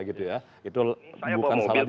itu bukan salah dia